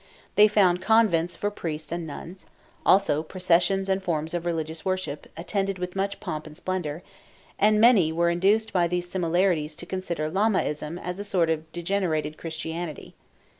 They found convents for priests and nuns; also processions and forms of religious worship, attended with much pomp and splendor; and many were induced by these similarities to consider Lamaism as a sort of degenerated Christianity.